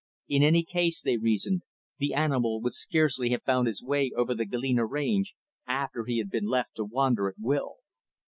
In any case, they reasoned, the animal would scarcely have found his way over the Galena range after he had been left to wander at will.